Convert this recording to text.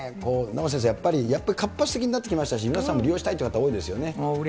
名越先生、やっぱり、活発的になってきましたし、皆さん利用したうれしいですよね。